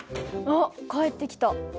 あっ帰ってきた。